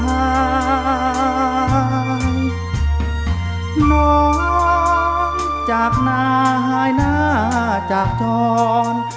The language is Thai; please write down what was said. น้องจากนายหน้าจากจร